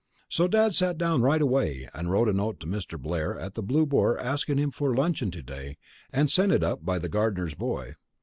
So Dad sat down right away and wrote a note to Mr. Blair at the Blue Boar asking him for luncheon to day, and sent it up by the gardener's boy.